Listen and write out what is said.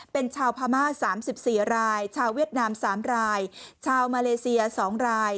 เป็นชาวพม่า๓๔รายชาวเวียดนาม๓รายชาวมาเลเซีย๒ราย